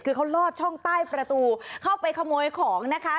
คือเขาลอดช่องใต้ประตูเข้าไปขโมยของนะคะ